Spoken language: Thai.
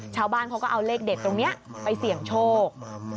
ชาวบ้านเขาก็เอาเลขเด็ดตรงนี้ไปเสี่ยงโชค